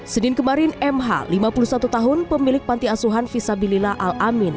senin kemarin mh lima puluh satu tahun pemilik panti asuhan visabilillah al amin